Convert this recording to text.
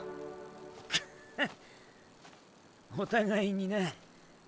クハお互いにな。